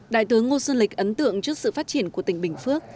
đại tướng ngô xuân lịch ấn tượng trước sự phát triển của tỉnh bình phước